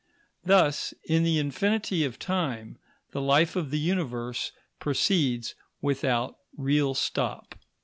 Thus, in the infinity of time, the life of the Universe proceeds without real stop.